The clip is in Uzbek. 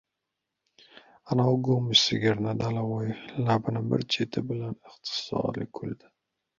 — Anovi govmish sigirni! — Dalavoy labining bir cheti bilan istehzoli kuldi.